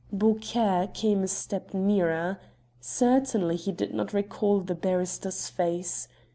Beaucaire came a step nearer. Clearly he did not recall the barrister's face.